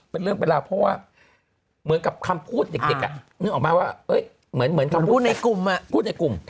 เป็นเรื่องเป็นราวเพราะว่าเหมือนกับคำพูดเด็กนึกออกมาว่าเหมือนคำพูดในกลุ่มพูดในกลุ่ม